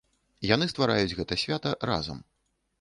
Яны ствараюць гэта свята разам.